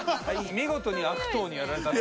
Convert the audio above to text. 見事に悪党にやられたね。